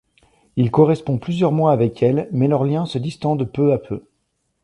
Il correspond plusieurs mois avec elle, mais leurs liens se distendent peu à peu.